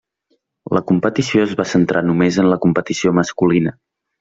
La competició es va centrar només en la competició masculina.